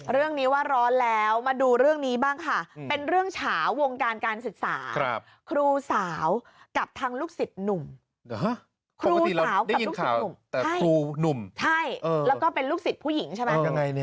เรื่องนี้ว่าร้อนแล้วมาดูเรื่องนี้บ้างค่ะเป็นเรื่องเฉาวงการการศึกษาครูสาวกับทางลูกศิษย์หนุ่มครูสาวกับลูกศิษย์หนุ่มแต่ครูหนุ่มใช่แล้วก็เป็นลูกศิษย์ผู้หญิงใช่ไหม